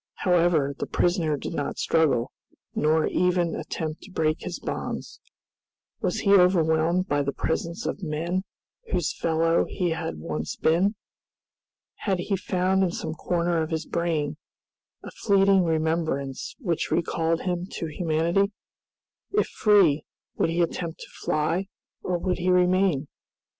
However, the prisoner did not struggle, nor even attempt to break his bonds. Was he overwhelmed by the presence of men whose fellow he had once been? Had he found in some corner of his brain a fleeting remembrance which recalled him to humanity? If free, would he attempt to fly, or would he remain?